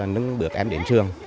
nâng bước em đến trường